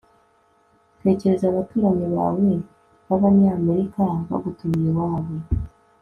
tekereza abaturanyi bawe b'abanyamerika bagutumiye iwabo